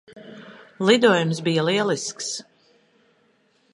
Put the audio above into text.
Lidojums bija lielisks.